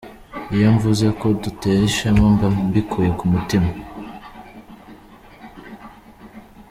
Iyo mvuze ko udutera ishema mba mbikuye ku mutima.